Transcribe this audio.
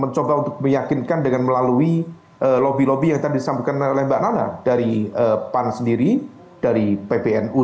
mencoba untuk meyakinkan dengan melalui lobby lobby yang tadi disampaikan oleh mbak nana dari pan sendiri dari pbnu